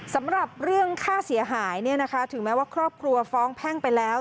สำหรับเรื่องค่าเสียหายถึงแม้ว่าครอบครัวฟ้องแพ่งไปแล้ว